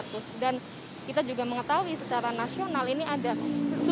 dan usaha pemotongan masyarakat yang ada di surroundings semakin clothing arts kgasi k